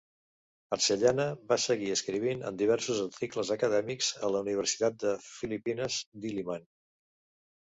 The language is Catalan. Arcellana va seguir escrivint en diversos articles acadèmics a la Universitat de Philippines Diliman.